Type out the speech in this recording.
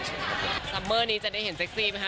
ซัมเมอร์นี้จะได้เห็นเซ็กซี่ไหมค